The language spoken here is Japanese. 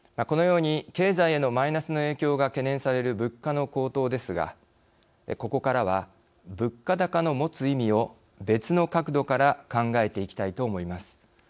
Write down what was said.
このように経済へのマイナスの影響が懸念される物価の高騰ですが、ここからは物価高の持つ意味を別の角度から考えていきたいと思います。